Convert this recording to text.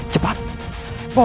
kau tidak akan selamat